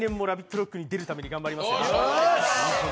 ＲＯＣＫに出るために頑張ります。